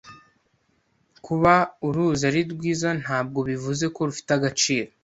Kuba uruzi ari rwiza ntabwo bivuze ko rufite agaciro.